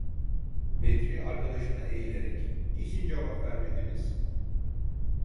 Bedri arkadaşına eğilerek: "Niçin cevap vermediniz?"